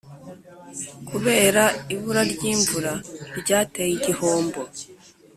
kubera ibura ry’imvura ryateye igihombo